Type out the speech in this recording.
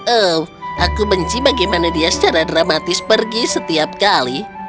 oh aku benci bagaimana dia secara dramatis pergi setiap kali